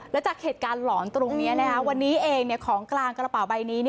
แล้วจากเหตุการณ์หลอนตรงนี้วันนี้เองของกลางกระเป๋าใบนี้